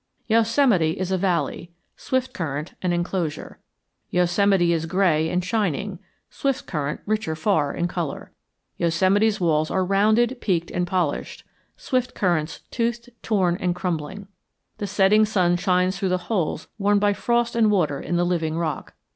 Yosemite is a valley, Swiftcurrent an enclosure. Yosemite is gray and shining, Swiftcurrent richer far in color. Yosemite's walls are rounded, peaked, and polished, Swiftcurrent's toothed, torn, and crumbling; the setting sun shines through holes worn by frost and water in the living rock.